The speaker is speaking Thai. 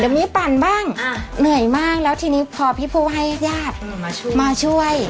เดี๋ยวมีปั่นบ้างเหนื่อยมากแล้วทีนี้พอพี่ผู้ให้ญาติมาช่วย